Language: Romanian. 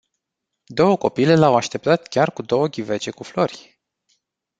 Două copile l-au așteptat chiar cu două ghivece cu flori.